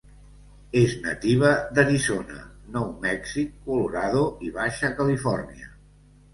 És nativa d'Arizona, Nou Mèxic, Colorado i Baixa Califòrnia.